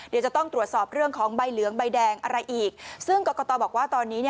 เดี๋ยวจะต้องตรวจสอบเรื่องของใบเหลืองใบแดงอะไรอีกซึ่งกรกตบอกว่าตอนนี้